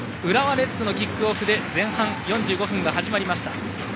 浦和レッズのキックオフで前半４５分が始まりました。